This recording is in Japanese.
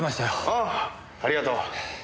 ああありがとう。